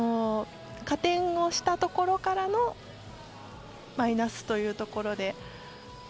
加点をしたところからのマイナスというところで。